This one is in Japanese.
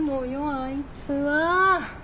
あいつは！